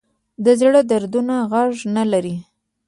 د زړه دردونه غږ نه لري